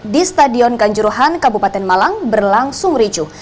di stadion kanjuruhan kabupaten malang berlangsung ricuh